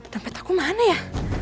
tempat aku mana ya